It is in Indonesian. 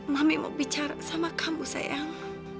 mami mau bicara sama kamu sayang